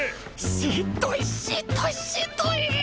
しんどいしんどいしんどい！